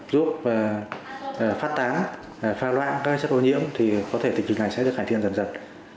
giúp phát tán pha loãng các chất ô nhiễm thì có thể tình hình này sẽ được cải thiện dần dần